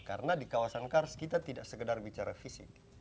karena di kawasan kars kita tidak sekedar bicara fisik